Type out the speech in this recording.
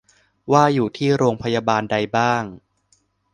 ว่าอยู่ที่โรงพยาบาลใดบ้าง